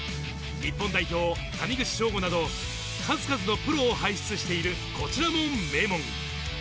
日本代表・谷口彰悟などを数々のプロ輩出している、こちらも名門。